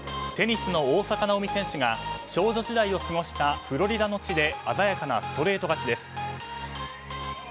テニスの大坂なおみ選手が少女時代を過ごしたフロリダの地で鮮やかなストレート勝ちです。